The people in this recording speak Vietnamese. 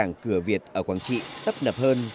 cảng cửa việt ở quảng trị tấp nập hơn